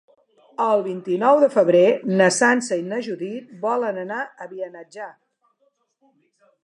El vint-i-nou de febrer na Sança i na Judit volen anar a Beniatjar.